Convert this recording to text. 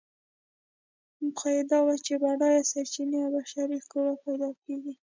موخه یې دا وه چې بډایه سرچینې او بشري قوه پیدا کړي.